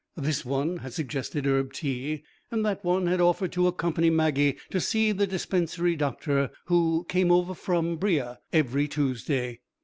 This one had suggested herb tea, and that one had offered to accompany Maggie to see the dispensary doctor who came over from Breagh every Tuesday.